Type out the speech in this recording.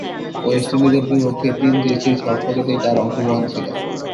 West ইন্ডিজের বিপক্ষে তিন টেস্টের সবকটিতেই তার অংশগ্রহণ ছিল।